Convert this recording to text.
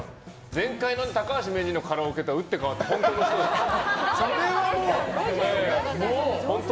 前回の高橋名人のカラオケとは打って変わって、本当の人ですね。